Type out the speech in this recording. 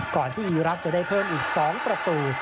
ก่อนที่อีรักษ์จะได้เพิ่มอีก๒ประตู